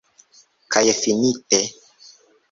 Kaj finite.